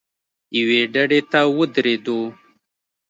یوې ډډې ته ودرېدو.